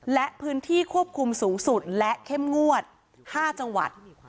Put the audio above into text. และพื้นที่ควบคุมสูงสุดและเข้มงวด๕จังหวัด